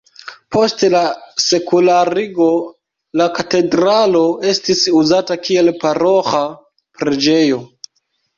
Post la sekularigo la katedralo estis uzata kiel paroĥa preĝejo.